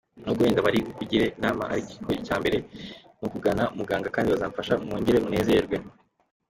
Nubwo wenda bari bukugire inama ariko icyambere nukugana muganga kandi bazabamfasha mwongere munezerwe.